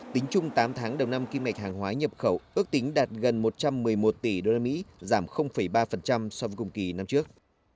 tính chung tám tháng đầu năm kim ngạch hàng hóa nhập khẩu ước tính đạt gần một trăm một mươi một tỷ usd giảm ba so với cùng kỳ năm trước